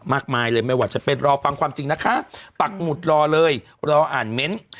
มากมายเลยไม่ว่าจะเป็นรอฟังความจริงนะคะปักหมุดรอเลยรออ่านเมนต์